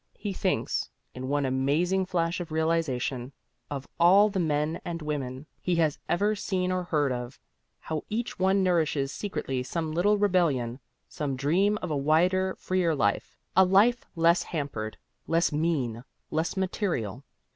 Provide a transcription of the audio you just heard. He thinks, in one amazing flash of realization, of all the men and women he has ever seen or heard of how each one nourishes secretly some little rebellion, some dream of a wider, freer life, a life less hampered, less mean, less material.